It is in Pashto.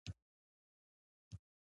بزګر په کروندو کې ژوند کوي